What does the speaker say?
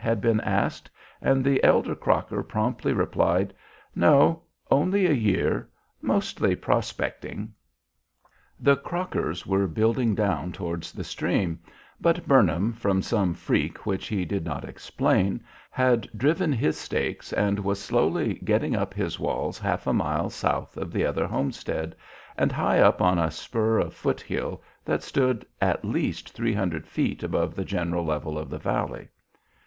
had been asked, and the elder Crocker promptly replied, "No, only a year, mostly prospecting." The Crockers were building down towards the stream; but Burnham, from some freak which he did not explain, had driven his stakes and was slowly getting up his walls half a mile south of the other homestead, and high up on a spur of foot hill that stood at least three hundred feet above the general level of the valley.